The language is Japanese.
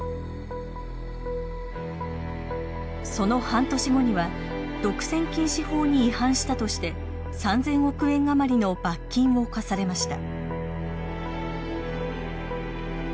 その半年後には独占禁止法に違反したとして３，０００億円余りの罰金を科されました。